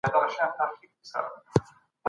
د اسلام دين د مظلومانو او بېوزلو ملاتړ کوی.